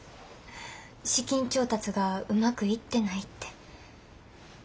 資金調達がうまくいってないって。